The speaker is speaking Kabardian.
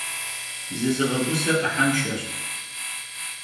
Zızığeguse 'ıhenşşeş.